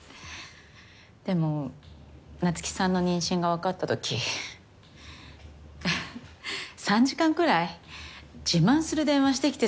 でも夏希さんの妊娠が分かったとき３時間くらい自慢する電話してきて